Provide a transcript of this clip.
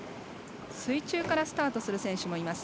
水中からスタートする選手もいます。